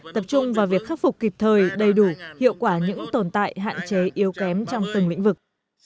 tập trung vào việc khắc phục kịp thời đầy đủ hiệu quả những tồn tại hạn chế yếu kém trong từng lĩnh vực